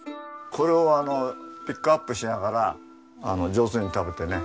これをピックアップしながら上手に食べてね。